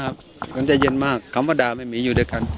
เหมือนใจเย็นมากคำว่าด่าไม่มีอยู่ด้วยกัน